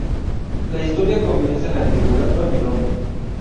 La historia comienza en la antigua Babilonia.